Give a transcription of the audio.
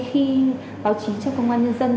khi báo chí trong công an nhân dân